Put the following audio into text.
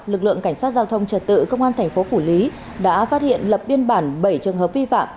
lực lượng cảnh sát giao thông trật tự công an thành phố phủ lý đã phát hiện lập biên bản bảy trường hợp vi phạm